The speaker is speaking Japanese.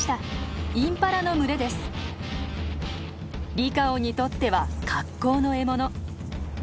リカオンにとっては格好の獲物。